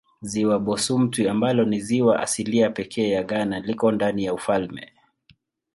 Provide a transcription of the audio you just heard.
Ziwa Bosumtwi ambalo ni ziwa asilia pekee ya Ghana liko ndani ya ufalme.